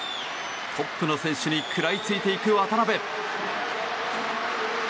トップの選手に食らいついていく渡辺。